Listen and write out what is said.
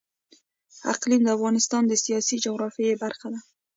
اقلیم د افغانستان د سیاسي جغرافیه برخه ده.